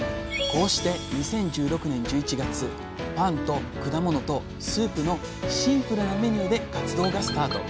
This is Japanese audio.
こうして２０１６年１１月パンと果物とスープのシンプルなメニューで活動がスタート。